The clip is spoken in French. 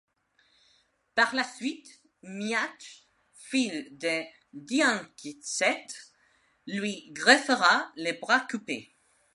Par la suite, Miach, fils de Diancecht, lui greffera le bras coupé.